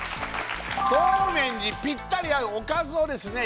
そうめんにピッタリ合うおかずをですね